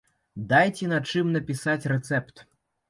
Дайце на чым напісаць рэцэпт.